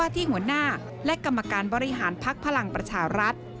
ที่หัวหน้าและกรรมการบริหารพักพลังประชารัฐ